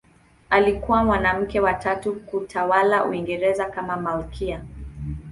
Alikuwa mwanamke wa tatu kutawala Uingereza kama malkia.